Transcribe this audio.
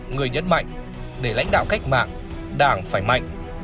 người nhấn mạnh để lãnh đạo cách mạng đảng phải mạnh